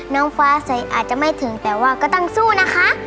น้องฟ้าใสอาจจะไม่ถึงแต่ว่าก็ต้องสู้นะคะ